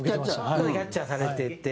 遠藤：キャッチャーされてて。